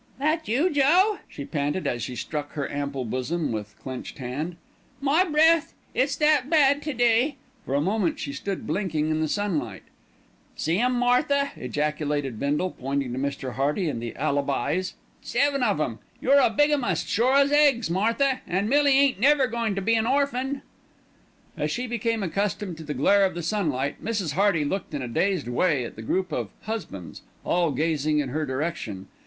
"That you, Joe?" she panted as she struck her ample bosom with clenched hand. "My breath! it's that bad to day." For a moment she stood blinking in the sunlight. "See 'em, Martha?" ejaculated Bindle, pointing to Mr. Hearty and the "alibis." "Seven of 'em. You're a bigamist, sure as eggs, Martha, an' Millie ain't never goin' to be an orphan." As she became accustomed to the glare of the sunlight, Mrs. Hearty looked in a dazed way at the group of "husbands," all gazing in her direction.